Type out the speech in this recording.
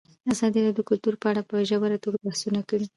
ازادي راډیو د کلتور په اړه په ژوره توګه بحثونه کړي.